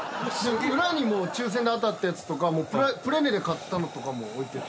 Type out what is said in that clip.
裏にも抽選で当たったやつとかプレ値で買ったのとかも置いてて。